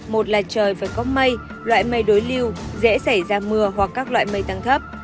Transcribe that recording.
một là trời phải có mây loại mây đối lưu dễ xảy ra mưa hoặc các loại mây tăng thấp